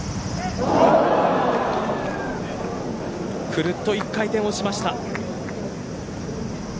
くるっと１回転をしました。